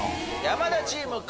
山田チームから。